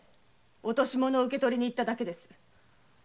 落とし物を受け取りに行っただけです。